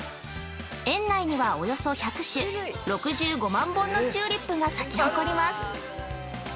園内には、およそ１００種６５万本のチューリップが咲き誇ります。